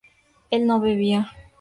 él no bebía